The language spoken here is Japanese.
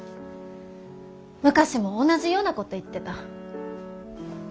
昔も同じようなこと言ってた。